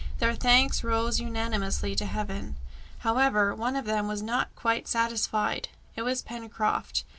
Their thanks rose unanimously to Heaven. However, one of them was not quite satisfied: it was Pencroft.